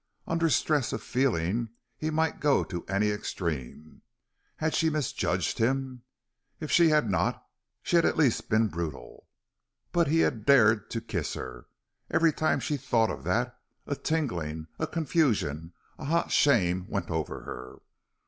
Under stress of feeling he might go to any extreme. Had she misjudged him? If she had not, she had at least been brutal. But he had dared to kiss her! Every time she thought of that a tingling, a confusion, a hot shame went over her.